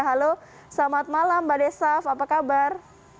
halo selamat malam mbak desaf apa kabar